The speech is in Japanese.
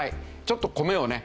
ちょっと米をね